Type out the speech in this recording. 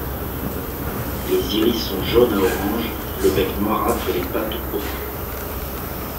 Les iris sont jaunes à orange, le bec noirâtre et les pattes pourpres.